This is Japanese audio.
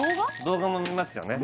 動画も見ますよね？